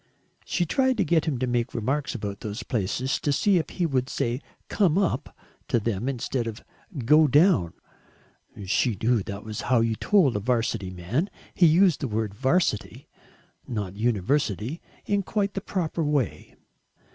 She tried to get him to make remarks about those places to see if he would say "come up" to them instead of "go down" she knew that was how you told a 'Varsity man. He used the word "'Varsity" not university in quite the proper way.